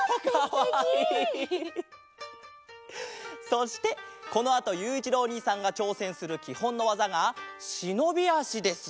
そしてこのあとゆういちろうおにいさんがちょうせんするきほんのわざがしのびあしです。